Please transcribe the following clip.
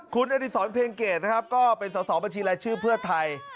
คุณอดิษรเพียงเกตนะครับก็เป็นสอบบัญชีรายชื่อเพื่อไทย